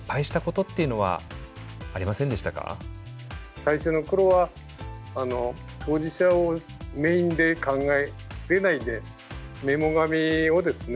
最初の頃は当事者をメインで考えれないでメモ紙をですね